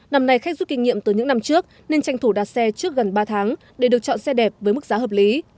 năm nay khách rút kinh nghiệm từ những năm trước nên tranh thủ đặt xe trước gần ba tháng để được chọn xe đẹp với mức giá hợp lý